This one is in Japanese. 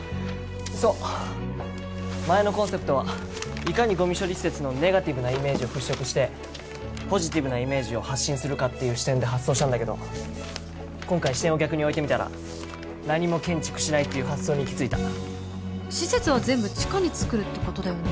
そう前のコンセプトはいかにゴミ処理施設のネガティブなイメージを払拭してポジティブなイメージを発信するかっていう視点で発想したんだけど今回視点を逆に置いてみたら何も建築しないっていう発想に行き着いた施設は全部地下に作るってことだよね？